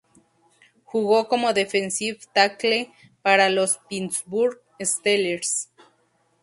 Jugó como defensive tackle para los Pittsburgh Steelers.